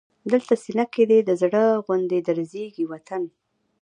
دلته سینه کې دی د زړه غوندې درزېږي وطن